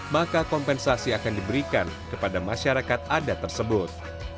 maka kompensasi akan diberikan kepada masyarakat adat tersebut